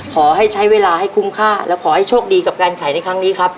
ขอให้ใช้เวลาให้คุ้มค่าและขอให้โชคดีกับการขายในครั้งนี้ครับ